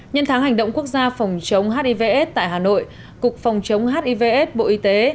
nhân tháng hành động quốc gia phòng chống hivs tại hà nội cục phòng chống hivs bộ y tế